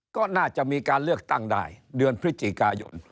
ก็น่าจะมีการเลือกตั้งได้เดือนพฤศจิกายน